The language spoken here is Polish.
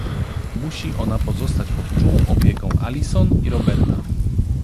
Musi ona pozostać pod czułą opieką Alison i Roberta